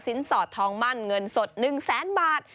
สินสอดทองมั่นเงินสด๑๐๐๐๐๐บาท